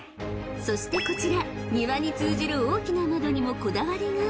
［そしてこちら庭に通じる大きな窓にもこだわりが］